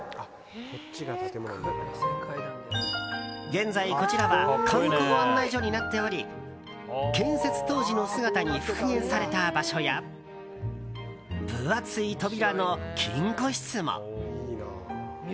現在、こちらは観光案内所になっており建設当時の姿に復元された場所や分厚い扉の金庫室も。